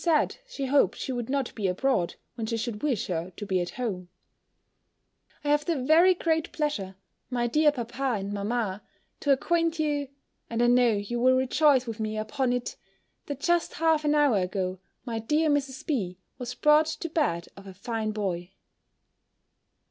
said, she hoped she would not be abroad, when she should wish her to be at home I have the very great pleasure, my dear papa and mamma, to acquaint you, and I know you will rejoice with me upon it, that just half an hour ago, my dear Mrs. B. was brought to bed of a fine boy.